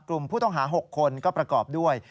กลุ่มผู้ต้องหา๖คนก็ประกอบด้วย